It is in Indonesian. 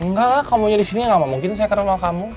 enggak lah kamu jadi sini nggak mungkin saya ke rumah kamu